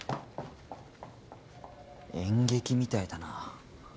演劇みたいだな。